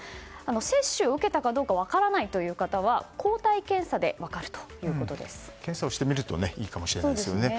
接種を受けたかどうか分からないという方は検査をしてみるといいかもしれないですね。